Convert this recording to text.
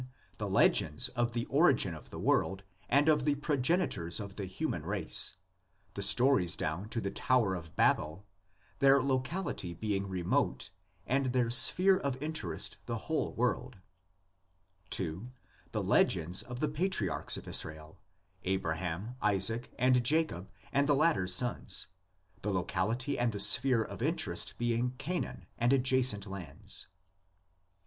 The legends of the origin of the world and of the progenitors of the human race, the stories down to the tower of Babel, their locality being remote and their sphere of interest the whole world; 2. The legends of the patriarchs of Israel: Abra ham, Isaac and Jacob, and the latter' s sons, the locality and the sphere of interest being Canaan and adjacent lands.